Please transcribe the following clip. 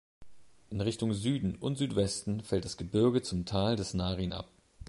In Richtung Süden und Südwesten fällt das Gebirge zum Tal des Naryn ab.